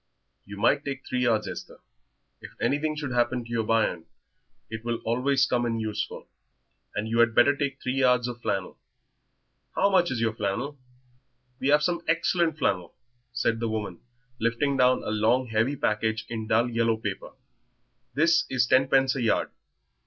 "You might take three yards, Esther; if anything should happen to yer bairn it will always come in useful. And you had better take three yards of flannel. How much is yer flannel?" "We have some excellent flannel," said the woman, lifting down a long, heavy package in dull yellow paper; "this is ten pence a yard.